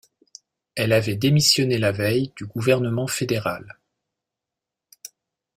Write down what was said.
Elle avait démissionné la veille du gouvernement fédéral.